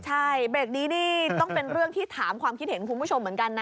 ใช่เบรกนี้นี่ต้องเป็นเรื่องที่ถามความคิดเห็นคุณผู้ชมเหมือนกันนะ